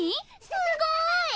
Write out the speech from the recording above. すごい！